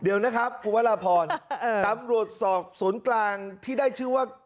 เดี๋ยวนะครับคุณพระราพรตำรวจสอบศูนย์กลางที่ได้ชื่อว่า